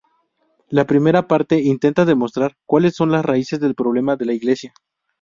La primera parte intenta demostrar cuáles son las raíces del problema de la Iglesia.